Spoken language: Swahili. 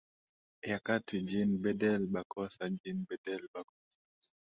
ya Kati Jean Bedel Bokassa Jean Bedel Bokassa